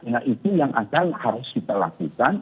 nah itu yang akan harus kita lakukan